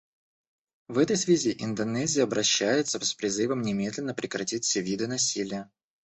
В этой связи Индонезия обращается с призывом немедленно прекратить все виды насилия.